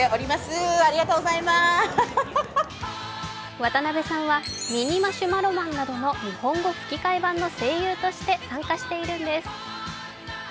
渡辺さんはミニ・マシュマロマンなどの日本語吹き替え版の声優として参加しているんです。